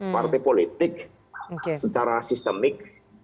partai politik secara sistemik